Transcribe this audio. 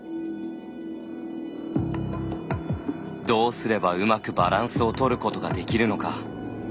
どうすればうまくバランスを取ることができるのか。